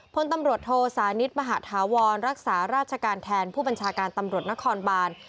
พลตำรวจโทสานิทมหาธาวรรักษาราชการแทนผู้บัญชาการตำรวจนครบาน